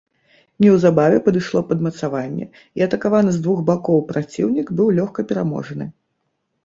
Неўзабаве падышло падмацаванне, і атакаваны з двух бакоў праціўнік быў лёгка пераможаны.